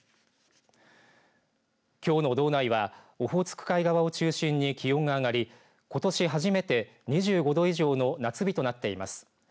きょうの道内はオホーツク海側を中心に気温が上がりことし初めて２５度以上の夏日となっています。